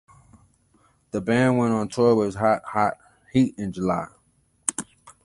The band went on to tour with Hot Hot Heat in July.